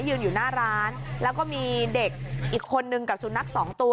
ยืนอยู่หน้าร้านแล้วก็มีเด็กอีกคนนึงกับสุนัขสองตัว